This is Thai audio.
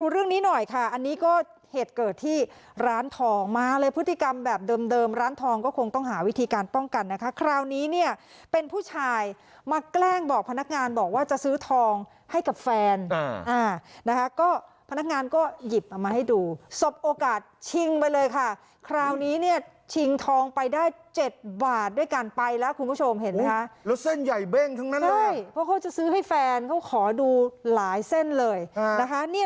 เรื่องนี้หน่อยค่ะอันนี้ก็เหตุเกิดที่ร้านทองมาเลยพฤติกรรมแบบเดิมเดิมร้านทองก็คงต้องหาวิธีการป้องกันนะคะคราวนี้เนี่ยเป็นผู้ชายมาแกล้งบอกพนักงานบอกว่าจะซื้อทองให้กับแฟนอ่านะคะก็พนักงานก็หยิบเอามาให้ดูสบโอกาสชิงไปเลยค่ะคราวนี้เนี่ยชิงทองไปได้เจ็ดบาทด้วยกันไปแล้วคุณผู้ชมเห็นไหมคะแล้วเส้นให